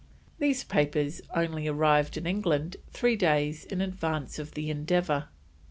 These papers only arrived in England three days in advance of the Endeavour.